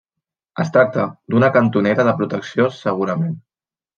Es tracta d'una cantonera de protecció segurament.